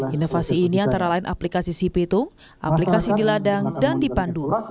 inovasi ini antara lain aplikasi cptung aplikasi diladang dan dipandu